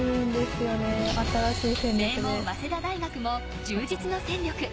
名門・早稲田大学も充実の戦力。